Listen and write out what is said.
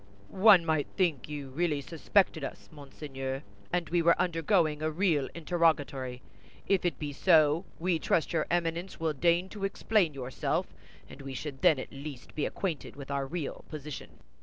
"One might think you really suspected us, monseigneur, and we were undergoing a real interrogatory. If it be so, we trust your Eminence will deign to explain yourself, and we should then at least be acquainted with our real position."